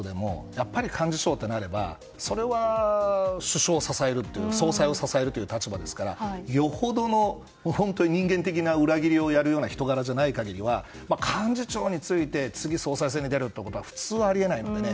やっぱり幹事長となればそれは総裁を支えるという立場ですからよほどの人間的な裏切りをやるような人柄じゃない限りは幹事長に就いて次、総裁選に出るということは普通はあり得ないのでね。